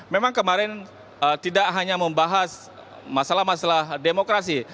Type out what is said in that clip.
memang kemarin tidak hanya membahas masalah masalah demokrasi